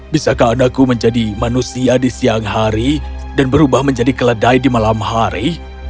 bisakah andaku menjadi manusia di siang hari dan berubah menjadi keledai di malam hari